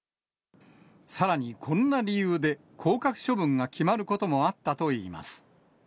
さらにこんな理由で、降格処分が決まることもあったといいます。